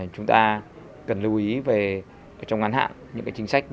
chúng ta cần lưu ý về trong ngắn hạn những chính sách